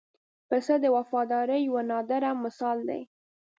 پسه د وفادارۍ یو نادره مثال دی.